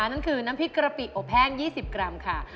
นั่นคือน้ำพริกกะปิอบแห้ง๒๐กรัมค่ะ